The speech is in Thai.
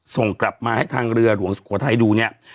ส่งกลับมาให้ทางเรือหลวงสุโขทัยดูเนี่ย